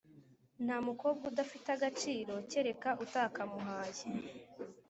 Nta mukobwa udafite agaciro kereka utakamuhaye